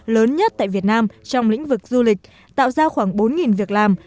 lớn nhất tại việt nam trong lĩnh vực du lịch tạo ra khoảng bốn việc làm